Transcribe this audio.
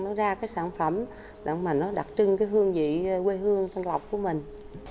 nó ra cái sản phẩm để mà nó đặc trưng cái hương vị quê hương sân lọc của mình